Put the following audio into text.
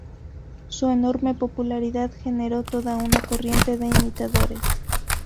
Su enorme popularidad generó toda una corriente de imitadores.